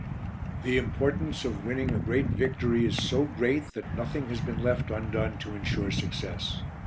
"The importance of winning a great victory is so great that nothing has been left undone to ensure success.